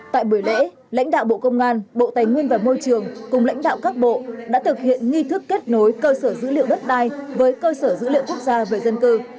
tại buổi lễ lãnh đạo bộ công an bộ tài nguyên và môi trường cùng lãnh đạo các bộ đã thực hiện nghi thức kết nối cơ sở dữ liệu đất đai với cơ sở dữ liệu quốc gia về dân cư